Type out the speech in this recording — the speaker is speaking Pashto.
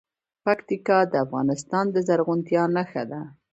پکتیکا د افغانستان د زرغونتیا نښه ده.